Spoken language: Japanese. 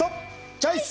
チョイス！